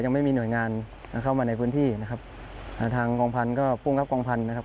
ยังไม่มีหน่วยงานเข้ามาในพื้นที่นะครับอ่าทางกองพันธุ์ก็ภูมิครับกองพันธุ์นะครับ